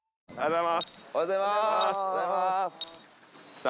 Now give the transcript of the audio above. おはようございます。